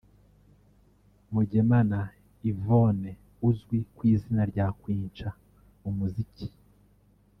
Mugemana Yvonne uzwi ku izina rya Queen Cha mu muziki